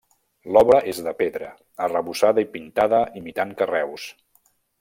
L'obra és de pedra, arrebossada i pintada imitant carreus.